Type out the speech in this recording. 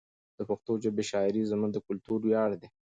د پښتو ژبې شاعري زموږ د کلتور ویاړ ده.